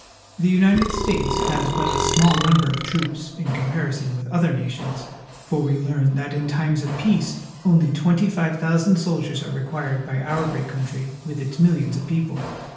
The United States has but a small number of troops in comparison with other nations, for we learn that in times of peace only twenty five thousand soldiers are required by our great country with its millions of peo ple.